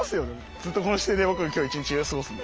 ずっとこの姿勢で僕今日一日過ごすんで。